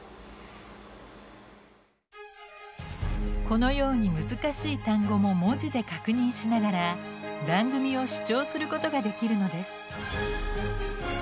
このように難しい単語も文字で確認しながら番組を視聴することができるのです。